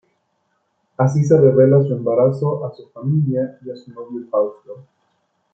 Así se revela su embarazo a su familia y a su novio, Fausto.